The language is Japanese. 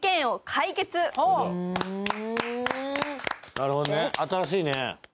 なるほどね、新しいね。